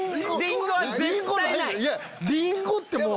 いやりんごってもう。